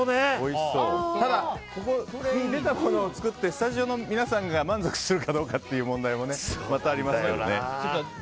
ただ、ここに出たものを作ってスタジオの皆さんが満足するかどうかという問題もありますからね。